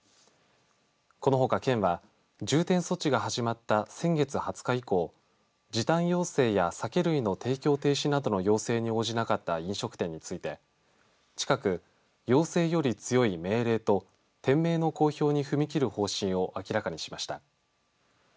このほか、県は重点措置が始まった先月２０日以降時短要請や酒類の提供停止などの要請に応じなかった飲食店について近く要請より強い命令と店名の公表に踏み切る方針を明らかにしました。